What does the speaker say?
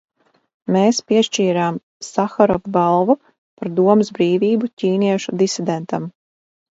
Mēs piešķīrām Saharova balvu par domas brīvību ķīniešu disidentam.